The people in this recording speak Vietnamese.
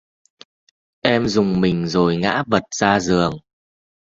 Em rùng mình rồi Ngã vật ra giường